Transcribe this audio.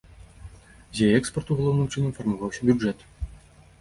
З яе экспарту галоўным чынам фармаваўся бюджэт.